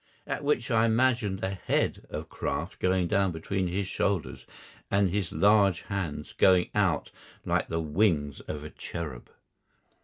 At which I imagine the head of Kraft going down between his shoulders and his large hands going out like the wings of a cherub.